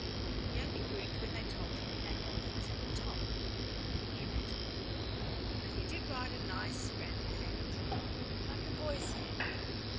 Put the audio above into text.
He only grinned when they told him that North was at the top. He knew better. But he did write a nice round hand, like a boy's hand.